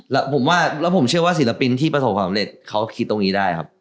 แล้วผมว่าแล้วผมเชื่อว่าศิลปินที่ประสบความสำเร็จเขาคิดตรงนี้ได้ครับ